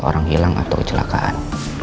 orang hilang atau kecelakaan